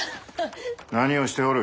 何をしておる。